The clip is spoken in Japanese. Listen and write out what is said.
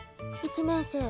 １年生」。